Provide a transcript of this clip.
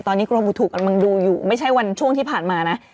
ตอนนี้กรมบุตุกำลังดูอยู่ไม่ใช่วันช่วงที่ผ่านมานะ